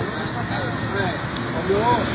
มีอะไรด้วย